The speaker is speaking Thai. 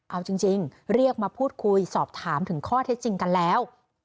เอาจริงเรียกมาพูดคุยสอบถามถึงข้อเท็จจริงกันแล้ว